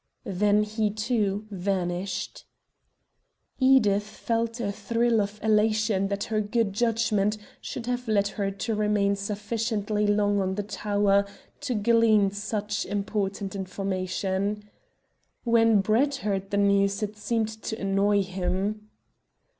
Then he, too, vanished. Edith felt a thrill of elation that her good judgment should have led her to remain sufficiently long on the tower to glean such important information. When Brett heard the news it seemed to annoy him.